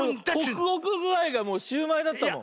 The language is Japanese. ホクホクぐあいがもうシューマイだったもん。